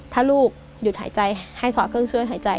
ถ้าลูกหยุดหายใจให้ถอดเครื่องช่วยหายใจ